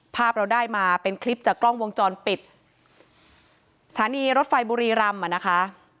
ภาพเราได้มาเป็นคลิปจากกล้องวงจรปิดสถานีรถไฟบุรีรำอ่ะนะคะ